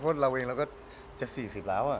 เพราะเราเองเราก็จะ๔๐แล้ว